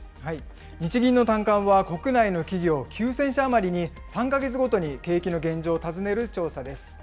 日銀の短観は国内の企業９０００社余りに３か月ごとに景気の現状を尋ねる調査です。